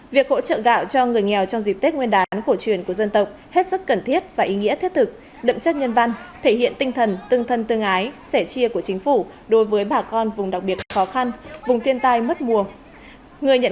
việc hỗ trợ gạo cho người nghèo trong dịp tết nguyên đán cổ truyền của dân tộc hết sức cần thiết và ý nghĩa thiết thực đậm chất nhân văn thể hiện tinh thần tương thân tương ái sẻ chia của chính phủ đối với bà con vùng đặc biệt khó khăn vùng thiên tai mất mùa